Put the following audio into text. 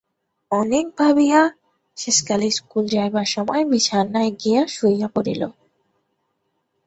অনেক ভাবিয়া, শেষকালে স্কুলে যাইবার সময় বিছানায় গিয়া শুইয়া পড়িল।